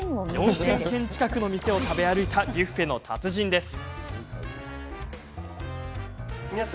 ４０００軒近くの店を食べ歩いたビュッフェの達人です。